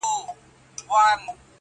اوس به څوك راويښوي زاړه نكلونه-